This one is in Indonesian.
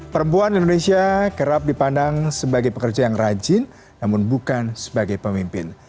perempuan indonesia kerap dipandang sebagai pekerja yang rajin namun bukan sebagai pemimpin